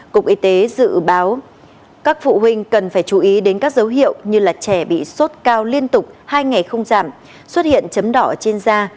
cục y tế dự báo các phụ huynh cần phải chú ý đến các dấu hiệu như trẻ bị sốt cao liên tục hai ngày không giảm xuất hiện chấm đỏ trên da